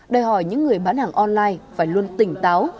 đòi hỏi những người bán hàng online phải luôn tỉnh táo